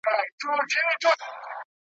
ماته تیري کیسې وايي دا خوبونه ریشتیا کیږي ,